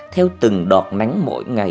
theo từng đọt nắng mỗi ngày